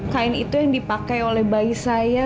kain itu yang dipakai oleh bayi saya